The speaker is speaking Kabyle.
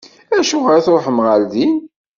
Acuɣer i tṛuḥem ɣer din?